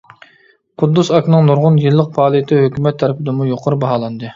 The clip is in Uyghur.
قۇددۇس ئاكىنىڭ نۇرغۇن يىللىق پائالىيىتى ھۆكۈمەت تەرىپىدىنمۇ يۇقىرى باھالاندى.